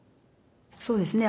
そうですね。